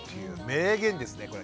名言ですねこれ。